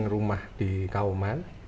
di rumah di kauman